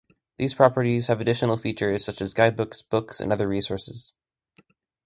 These properties have additional features such as guidebooks, books and other resources.